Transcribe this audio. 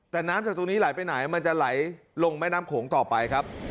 แต่น้ำจากตรงนี้ไหลไปไหนมันจะไหลลงแม่น้ำโขงต่อไปครับ